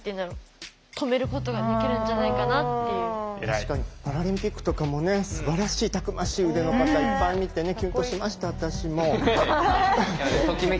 確かにパラリンピックとかもねすばらしいたくましい腕の方いっぱい見てねキュンとしました私も。